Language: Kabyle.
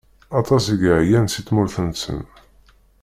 Aṭas i yeɛyan si tmurt-nsen.